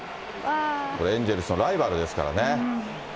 エンゼルスのライバルですからね。